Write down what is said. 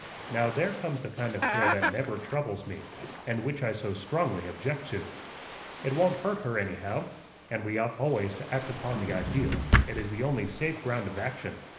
"Now, there comes the kind of care that never troubles me, and which I so strongly object to. It won't hurt her anyhow. And we ought always to act upon the ideal; it is the only safe ground of action.